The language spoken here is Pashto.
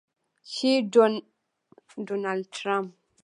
چې د ډونالډ ټرمپ د دوه زره یویشتم کال